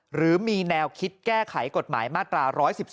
หรือมีแนวคิดแก้ไขกฎหมายมาตรา๑๑๒